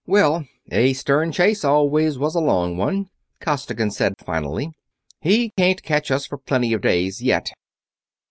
"Well, a stern chase always was a long one," Costigan said finally. "He can't catch us for plenty of days yet